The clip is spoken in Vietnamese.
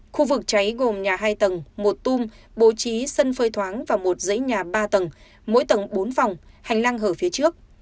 khu vực cháy gồm nhà hai tầng một tung bố trí sân phơi thoáng và một dãy nhà ba tầng mỗi tầng bốn phòng hành lang hở phía trước